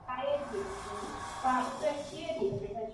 大熊裕司的弟弟。